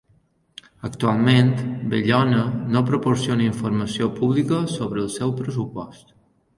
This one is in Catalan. Actualment, Bellona no proporciona informació pública sobre el seu pressupost.